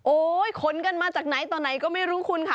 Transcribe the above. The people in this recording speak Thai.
ขนกันมาจากไหนต่อไหนก็ไม่รู้คุณค่ะ